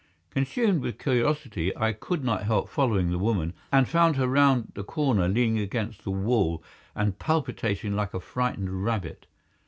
Consumed with curiosity, I could not help following the woman, and found her round the corner leaning against the wall and palpitating like a frightened rabbit.